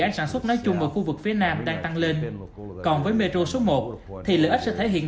sản xuất nói chung và khu vực phía nam đang tăng lên còn với metro số một thì lợi ích sẽ thể hiện